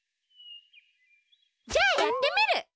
じゃあやってみる！